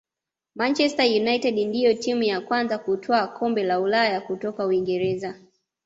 manchester united ndiyo timu ya kwanza kutwaa kombe la ulaya kutoka uingereza